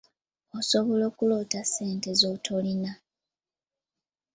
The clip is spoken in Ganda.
Osobola okuloota ssente z’otolina.